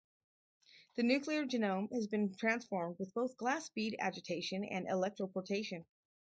The nuclear genome has been transformed with both glass bead agitation and electroporation.